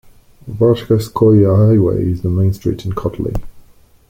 Varshavskoye highway is the main street in Kotly.